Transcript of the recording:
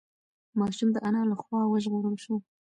ماشوم د انا له خوا وژغورل شو.